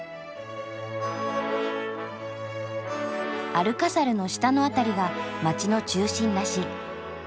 アルカサルの下の辺りが街の中心らしい。